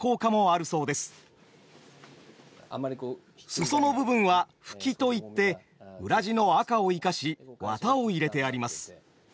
裾の部分は「ふき」といって裏地の赤を生かし綿を入れてあります。